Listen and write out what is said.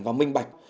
và minh bạch